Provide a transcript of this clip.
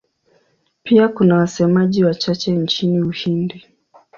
Pia kuna wasemaji wachache nchini Uhindi.